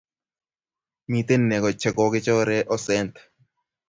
Miten neko che kokichore osent